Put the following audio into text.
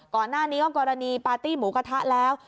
ก่อนหน้านี้ก็กรณีปาร์ตี้หมูกระทะแล้ว